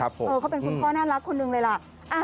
เขาเป็นคุณพ่อน่ารักคนหนึ่งเลยล่ะ